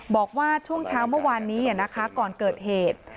บอกว่าช่วงเช้าเมื่อวานนี้นะคะก่อนเกิดเหตุ